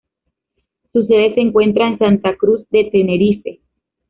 Su sede se encuentra en Santa Cruz de Tenerife.